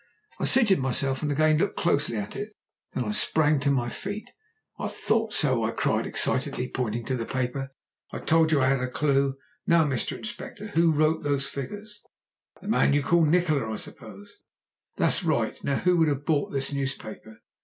I seated myself and again looked closely at it. Then I sprang to my feet. "I thought so!" I cried excitedly, pointing to the paper; "I told you I had a clue. Now, Mr. Inspector, who wrote those figures?" "The man you call Nikola, I suppose." "That's right. Now who would have bought this newspaper?